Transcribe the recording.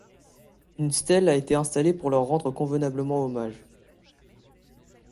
Une stèle a été installée pour leur rendre convenablement hommage.